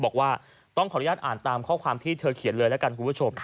ขออนุญาตอ่านตามข้อความที่เธอเขียนเลยละกันคุณผู้ชม